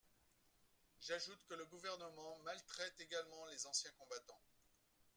J’ajoute que le Gouvernement maltraite également les anciens combattants.